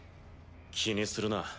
気にするな。